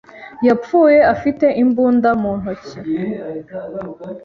yapfuye afite imbunda mu ntoki.